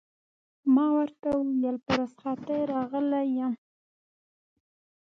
ما ورته وویل: په رخصتۍ راغلی یم.